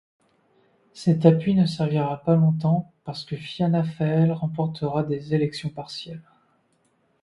Cet appui ne servira pas longtemps parce que Fianna Fáil remportera des élections partielles.